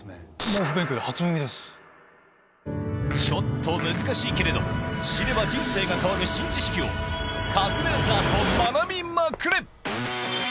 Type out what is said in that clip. ちょっと難しいけれど知れば人生が変わる新知識をカズレーザーと学びまくる！